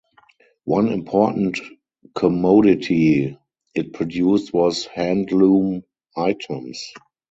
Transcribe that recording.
One important commodity it produced was handloom items.